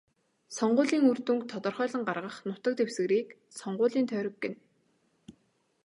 Сонгуулийн үр дүнг тодорхойлон гаргах нутаг дэвсгэрийг сонгуулийн тойрог гэнэ.